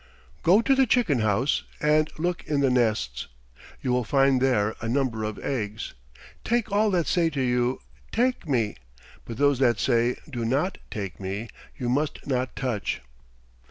Go to the chicken house and look in the nests. You will find there a number of eggs. Take all that say to you, 'Take me,' but those that say, 'Do not take me,' you must not touch."